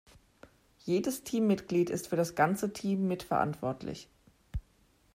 Jedes Teammitglied ist für das ganze Team mitverantwortlich.